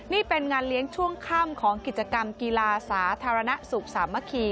นี่เป็นงานเลี้ยงช่วงค่ำของกิจกรรมกีฬาสาธารณสุขสามัคคี